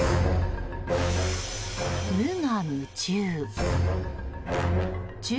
無我夢中。